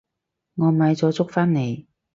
我買咗粥返嚟